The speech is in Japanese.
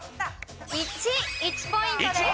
１。１ポイントです。